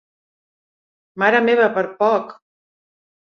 Mare meva, per poc!